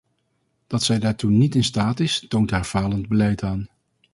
Dat zij daartoe niet in staat is, toont haar falend beleid aan.